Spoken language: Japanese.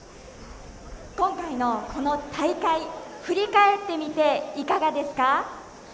今回の、この大会振り返ってみていかがですか？